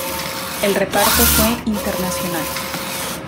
El reparto fue internacional.